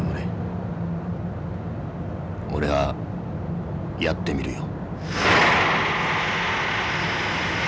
俺はやってみるよ。